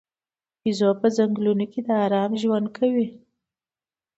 بیزو په ځنګلونو کې د آرام ژوند کوي.